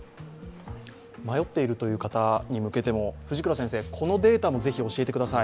迷っている方に向けても、このデータもぜひ教えてください。